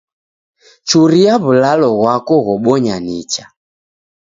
Churia w'ulalo ghwako ghobonya nicha.